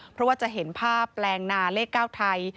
เพราะว่าจะเห็นภาพแปลงนาเลข๙ไทย